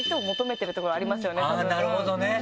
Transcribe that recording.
なるほどね！